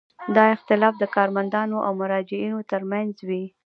دا اختلاف د کارمندانو او مراجعینو ترمنځ وي.